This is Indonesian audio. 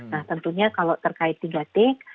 nah tentunya kalau terkait tiga t